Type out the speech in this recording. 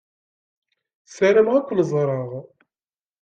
Ssarameɣ ad ken-ẓreɣ.